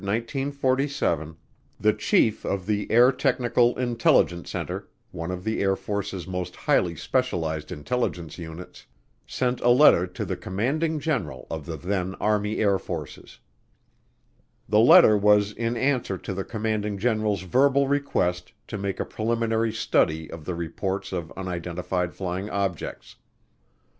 CHAPTER TWO The Era of Confusion Begins On September 23, 1947, the chief of the Air Technical Intelligence Center, one of the Air Force's most highly specialized intelligence units, sent a letter to the Commanding General of the then Army Air Forces. The letter was in answer to the Commanding General's verbal request to make a preliminary study of the reports of unidentified flying objects.